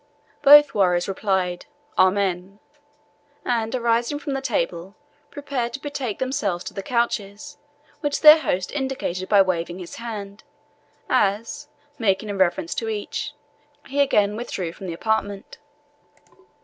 Both warriors replied "Amen!" and, arising from the table, prepared to betake themselves to the couches, which their host indicated by waving his hand, as, making a reverence to each, he again withdrew from the apartment.